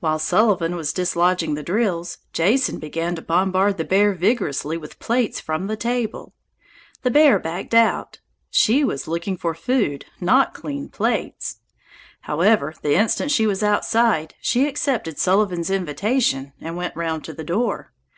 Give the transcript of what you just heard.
While Sullivan was dislodging the drills, Jason began to bombard the bear vigorously with plates from the table. The bear backed out; she was looking for food, not clean plates. However, the instant she was outside, she accepted Sullivan's invitation and went round to the door!